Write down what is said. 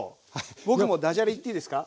僕もダジャレ言っていいですか？